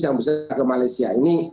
yang bisa ke malaysia